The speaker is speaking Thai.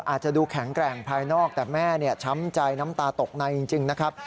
อาจจะดูแข็งแกร่งภายนอกแต่แม่ช้ำใจน้ำตาตกในจริงนะครับ